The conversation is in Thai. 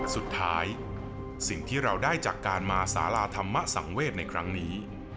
สุดท้ายสิ่งที่เราได้จากการมาศาลาธรรมะสังเวทในครั้งนี้